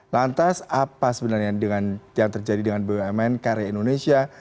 lantas apa sebenarnya yang terjadi dengan bumn karya indonesia